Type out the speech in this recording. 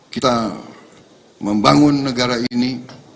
kita membangun negara ini